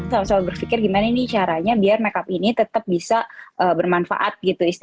selalu berpikir bagaimana caranya biar make up ini tetap bisa bermanfaat